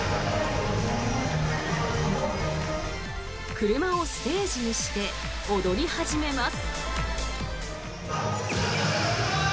車をステージにして踊り始めます。